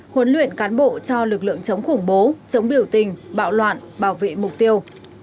huấn luyện cán bộ cho lực lượng chống khủng bố chống biểu tình bạo loạn bảo vệ mục tiêu